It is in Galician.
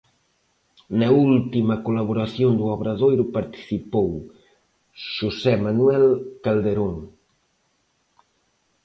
Na última colaboración do Obradoiro participou José Manuel Calderón.